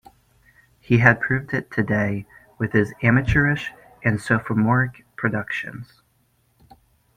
He had proved it today, with his amateurish and sophomoric productions.